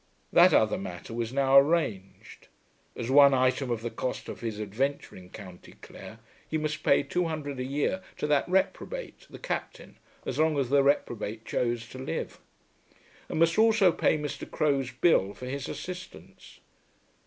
That other matter was now arranged. As one item of the cost of his adventure in County Clare he must pay two hundred a year to that reprobate, the Captain, as long as the reprobate chose to live, and must also pay Mr. Crowe's bill for his assistance.